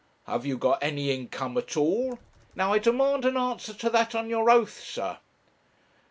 'Have you got any income at all? Now, I demand an answer to that on your oath, sir.'